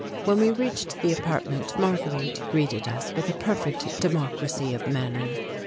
When we reached the apartment Marguerite greeted us with a perfect democracy of manner.